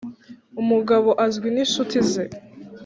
umugabo azwi n'inshuti ze